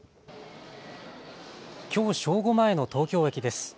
きょう正午前の東京駅です。